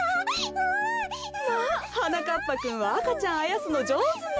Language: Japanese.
まあはなかっぱくんは赤ちゃんあやすのじょうずね。